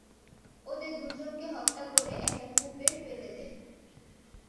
ওদের দুজনকে হত্যা করে একটা কূপে ফেলে দেয়।